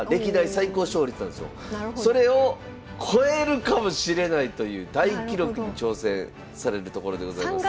それを超えるかもしれないという大記録に挑戦されるところでございます。